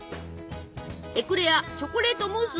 エクレアチョコレートムース